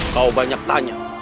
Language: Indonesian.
kau banyak tanya